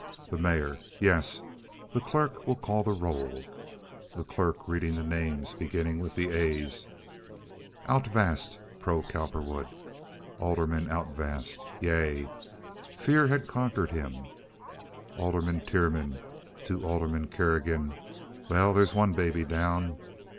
The Mayor. "Yes. The clerk will call the roll." The Clerk (reading the names, beginning with the A's). "Altvast?" (pro Cowperwood). Alderman Altvast. "Yea." Fear had conquered him. Alderman Tiernan (to Alderman Kerrigan). "Well, there's one baby down."